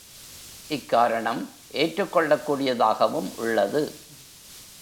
இக்காரணம் ஏற்றுக் கொள்ளக் கூடியதாகவும் உள்ளது.